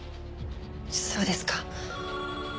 そうですか。